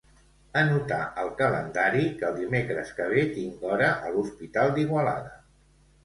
Anotar al calendari que el dimecres que ve tinc hora a l'Hospital d'Igualada.